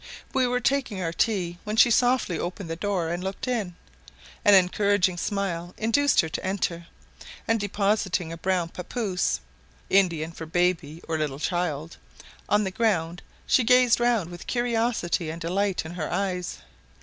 We were taking our tea when she softly opened the door and looked in; an encouraging smile induced her to enter, and depositing a brown papouse (Indian for baby or little child) on the ground, she gazed round with curiosity and delight in her eyes.